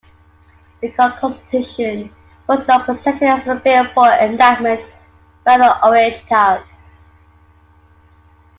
The Constitution was not presented as a bill for enactment by the Oireachtas.